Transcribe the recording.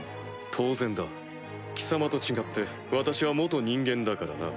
当然だ貴様と違って私は人間だからな。